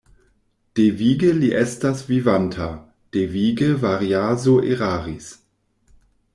Devige li estas vivanta; devige Variaso eraris.